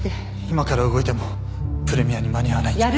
今から動いてもプレミアに間に合わないんじゃ。